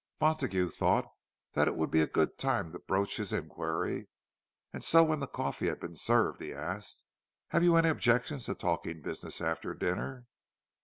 Montague thought that it would be a good time to broach his inquiry, and so when the coffee had been served, he asked, "Have you any objections to talking business after dinner?"